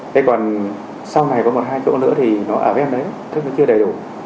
thế còn sau này có một hai chỗ nữa thì nó ở bên đấy nó chưa đầy đủ